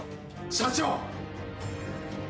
社長！